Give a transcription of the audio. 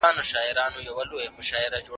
څېړونکی باید په ساده خبرو بسنه ونه کړي.